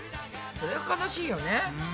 そりゃ悲しいよね。